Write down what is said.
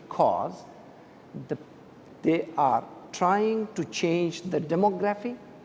karena mereka mencoba untuk mengubah demografi